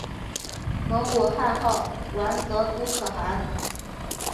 蒙古汗号完泽笃可汗。